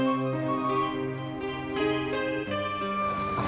kenapa sehatnya harus ditutup ya allah